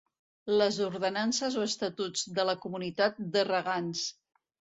Les ordenances o estatuts de la comunitat de regants.